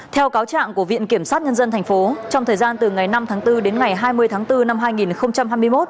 theo cáo trạng của viện kiểm sát nhân dân tp trong thời gian từ ngày năm tháng bốn đến ngày hai mươi tháng bốn năm hai nghìn hai mươi một